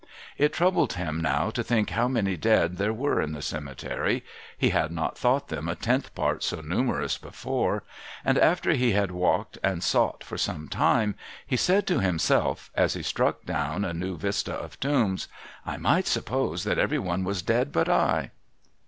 It troubled him now to think how many dead there were in the cemetery, — he had not thought them a tenth part so numerous before, — and after he had ^valked and sought for some time, he said to himself, as he struck down a new vista of tombs, ' I might suppose that every one was dead but I.'